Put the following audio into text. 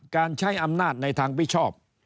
การใช้อำนาจในทางมิชอบ